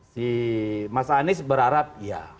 si mas anies berharap ya